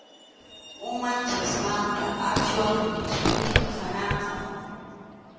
Umanchikmanta aswan wichaypim hanaqqa.